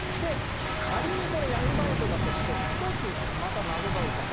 仮に闇バイトだとしたら１つ、また謎が浮かぶ。